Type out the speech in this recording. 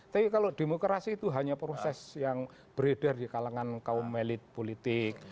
tapi kalau demokrasi itu hanya proses yang beredar di kalangan kaum elit politik